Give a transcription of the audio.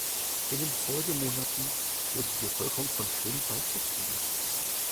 In den Folgemonaten wurde die Bevölkerung von Schönwald vertrieben.